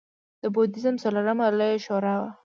د بودیزم څلورمه لویه شورا وه